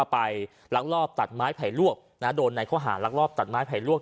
ลักลอบตัดไม้ไผ่ลวกโดนในข้อหารักรอบตัดไม้ไผ่ลวก